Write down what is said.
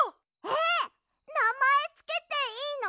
えっなまえつけていいの？